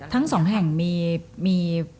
ทั้งสองแห่งมี